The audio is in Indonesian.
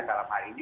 dalam hal ini